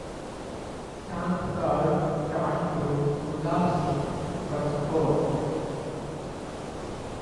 Chand Kaur turned to Gulab Singh for support.